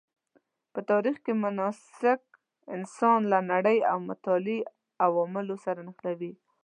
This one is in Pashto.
په تاریخ کې مناسک انسان له نړۍ او متعالي عوالمو سره نښلوي.